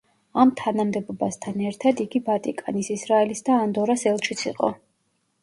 ამ თანამდებობასთან ერთად, იგი ვატიკანის, ისრაელის და ანდორას ელჩიც იყო.